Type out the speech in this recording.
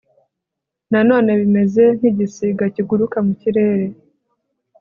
nanone bimeze nk'igisiga kiguruka mu kirere